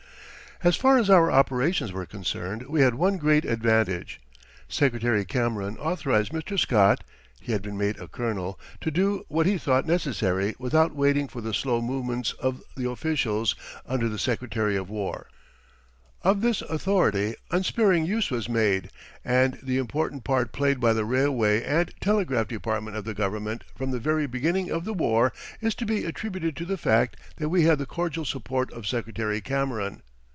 As far as our operations were concerned we had one great advantage. Secretary Cameron authorized Mr. Scott (he had been made a Colonel) to do what he thought necessary without waiting for the slow movements of the officials under the Secretary of War. Of this authority unsparing use was made, and the important part played by the railway and telegraph department of the Government from the very beginning of the war is to be attributed to the fact that we had the cordial support of Secretary Cameron.